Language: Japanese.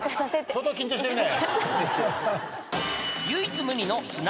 相当緊張してるね。